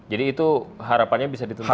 jadi itu harapannya bisa dituntaskan